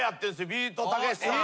ビートたけしさん。